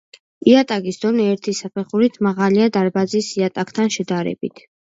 იატაკის დონე ერთი საფეხურით მაღალია დარბაზის იატაკთან შედარებით.